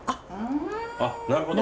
あっなるほど！